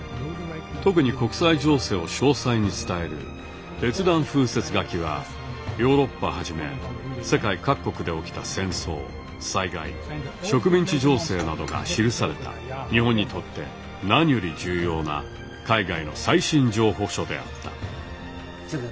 特に国際情勢を詳細に伝える「別段風説書」はヨーロッパはじめ世界各国で起きた戦争災害植民地情勢などが記された日本にとって何より重要な海外の最新情報書であった。